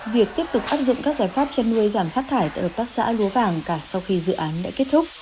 việc tiếp tục áp dụng các giải pháp chăn nuôi giảm phát thải tại hợp tác xã lúa vàng cả sau khi dự án đã kết thúc